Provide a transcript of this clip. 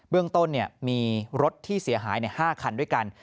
เบื้องต้นเนี่ยมีรถที่เสียหายใน๕คันด้วยกัน